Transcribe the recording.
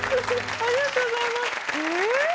ありがとうございます。